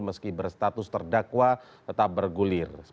meski berstatus terdakwa tetap bergulir